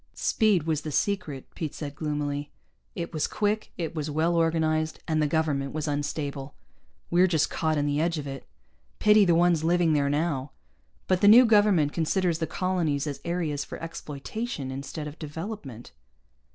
"Speed was the secret," Pete said gloomily. "It was quick, it was well organized, and the government was unstable. We're just caught in the edge of it. Pity the ones living there, now. But the new government considers the colonies as areas for exploitation instead of development."